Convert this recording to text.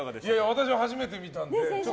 私、初めて見たんで。